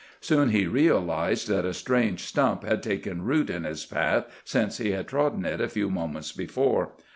Soon he realized that a strange stump had taken root in his path since he had trodden it a few moments before.